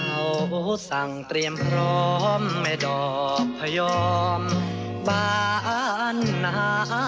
โอ้โหสั่งเตรียมพร้อมแม่ดอกพยอมบ้านหนา